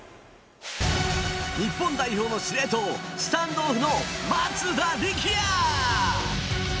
日本代表の司令塔スタンドオフの松田力也！